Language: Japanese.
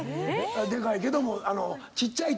でかいけども。